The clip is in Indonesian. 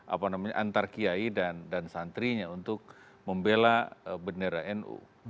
apa namanya antar kiai dan santrinya untuk membela bendera nu